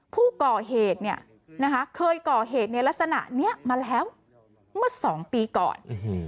ผู้ก่อเหตุเคยก่อเหตุในลักษณะนี้มาแล้วเมื่อ๒ปีก่อน